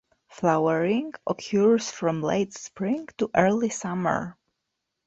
Flowering occurs from late spring to early summer.